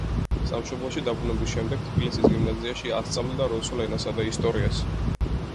სამშობლოში დაბრუნების შემდეგ თბილისის გიმნაზიაში ასწავლიდა რუსულ ენასა და ისტორიას.